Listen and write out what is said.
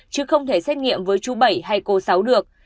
chứ không thể xét nghiệm với chú bảy hay cô sáu được